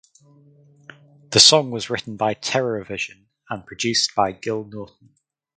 The song was written by Terrorvision and produced by Gil Norton.